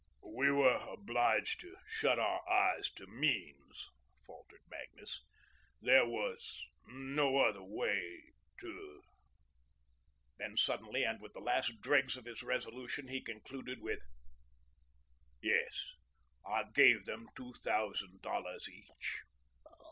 "We were obliged to shut our eyes to means," faltered Magnus. "There was no other way to " Then suddenly and with the last dregs of his resolution, he concluded with: "Yes, I gave them two thousand dollars each."